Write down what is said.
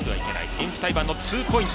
エンフタイバンのツーポイント。